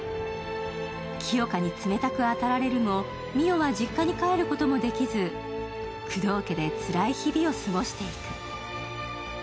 清霞に冷たく当たられるも美世は実家に帰ることもできず久堂家でつらい日々を過ごしていく。